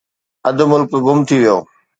اڌ ملڪ گم ٿي ويو.